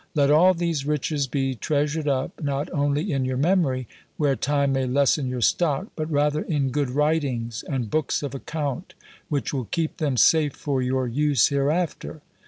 "Let all these riches be treasured up, not only in your memory, where time may lessen your stock, but rather in good writings and books of account, which will keep them safe for your use hereafter."